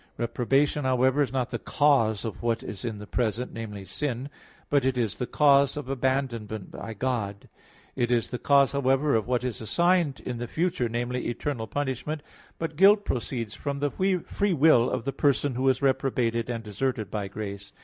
Reprobation, however, is not the cause of what is in the present namely, sin; but it is the cause of abandonment by God. It is the cause, however, of what is assigned in the future namely, eternal punishment. But guilt proceeds from the free will of the person who is reprobated and deserted by grace.